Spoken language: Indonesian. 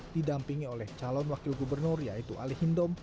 didampingi oleh calon wakil gubernur yaitu ali hindom